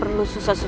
aku ada batu